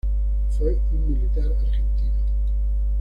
Fue un militar argentino.